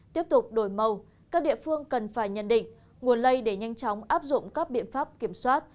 tiếp tục đổi màu các địa phương cần phải nhận định nguồn lây để nhanh chóng áp dụng các biện pháp kiểm soát